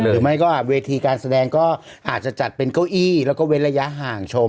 หรือไม่ก็เวทีการแสดงก็อาจจะจัดเป็นเก้าอี้แล้วก็เว้นระยะห่างชม